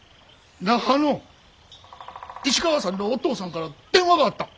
那覇の石川さんのお父さんから電話があった。